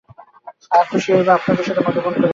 আমরা খুশি হব আপনার সাথে মদ্যপান করে।